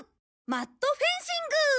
マットフェンシング！